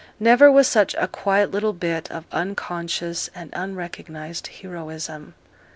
Never was such a quiet little bit of unconscious and unrecognized heroism.